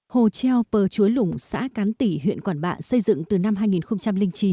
hồ treo pờ chuối lủng xã cán tỉ huyện quảng bạ xây dựng từ năm hai nghìn chín